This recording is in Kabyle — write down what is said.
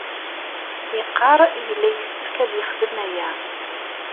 Yeqqar yella yessefk ad yexdem aya.